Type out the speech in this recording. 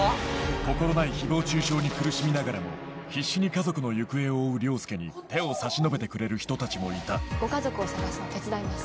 心ない誹謗中傷に苦しみながらも必死に家族の行方を追う凌介に手を差し伸べてくれる人たちもいたご家族を捜すの手伝います。